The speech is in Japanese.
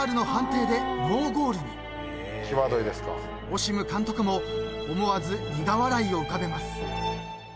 ［オシム監督も思わず苦笑いを浮かべます］